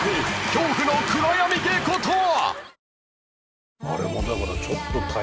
恐怖の暗闇稽古とは？］